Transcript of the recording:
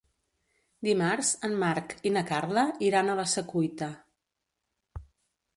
Dimarts en Marc i na Carla iran a la Secuita.